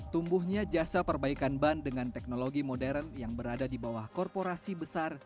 tumbuhnya jasa perbaikan ban dengan teknologi modern yang berada di bawah korporasi besar